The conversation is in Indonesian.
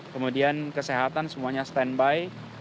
kemudian kesehatan semuanya standby